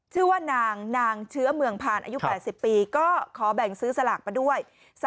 ชื่อว่านางนางเชื้อเมืองผ่านอายุ๘๐ปีก็ขอแบ่งซื้อสลากมาด้วย